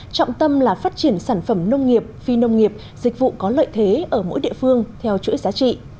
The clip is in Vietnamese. trọng tâm là phát triển sản phẩm nông nghiệp phi nông nghiệp dịch vụ có lợi thế ở mỗi địa phương theo chuỗi giá trị